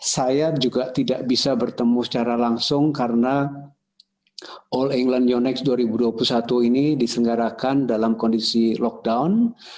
saya juga tidak bisa bertemu secara langsung karena all england yonex dua ribu dua puluh satu ini diselenggarakan dalam kondisi lockdown